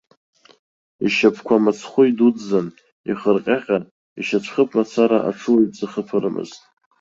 Ишьапқәа мыцхәы идуӡӡан, ихырҟьаҟьа, ишьацәхыԥ мацара аҽуаҩ дзахыԥарымызт.